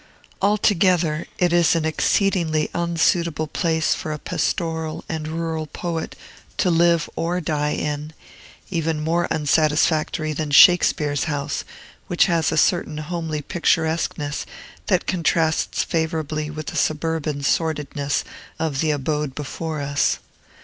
Altogether, it is an exceedingly unsuitable place for a pastoral and rural poet to live or die in, even more unsatisfactory than Shakespeare's house, which has a certain homely picturesqueness that contrasts favorably with the suburban sordidness of the abode before us.